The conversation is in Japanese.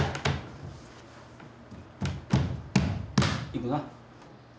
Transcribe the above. いくな。